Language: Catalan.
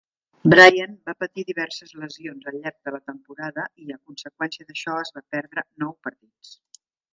Bryant va patir diverses lesions al llarg de la temporada i, a conseqüència d'això, es va perdre nou partits.